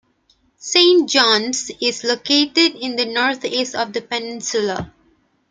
Saint John's is located in the northeast of the peninsula.